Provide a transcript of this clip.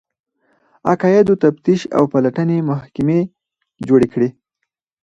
عقایدو تفتیش او پلټنې محکمې جوړې کړې